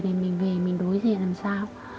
thì mình về mình đối diện làm sao